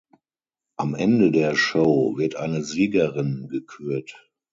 Am Ende der Show wird eine Siegerin gekürt.